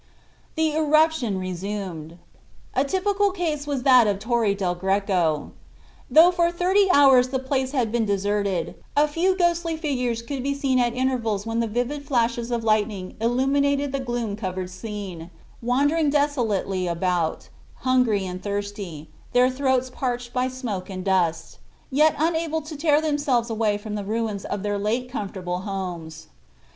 THE ERUPTION RESUMED. A typical case was that of Torre del Greco. Though for thirty hours the place had been deserted, a few ghostly figures could be seen at intervals when the vivid flashes of lightning illuminated the gloom covered scene, wandering desolately about, hungry and thirsty, their throats parched by smoke and dust, yet unable to tear themselves away from the ruins of their late comfortable homes.